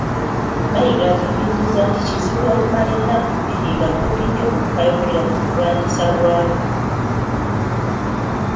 Mayiga ategeezezza nti kizibu okumala ennaku bbiri nga towulidde muntu ayogera ku kulwanyisa obwavu.